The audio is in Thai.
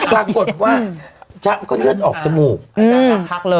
ปรากฏว่าจ๊ะก็เลือดออกจมูก